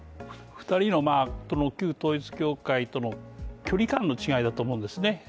２人の旧統一教会との距離感の違いだと思うんですね。